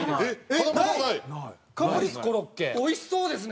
おいしそうですね。